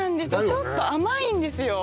ちょっと甘いんですよ